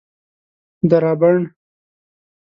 درابڼ